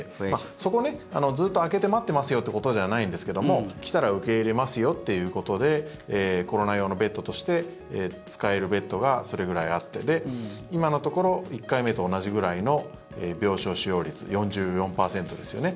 そこ、ずっと空けて待ってますよということではないんですけども来たら受け入れますよということでコロナ用のベッドとして使えるベッドがそれぐらいあって今のところ１回目と同じぐらいの病床使用率４４％ですよね。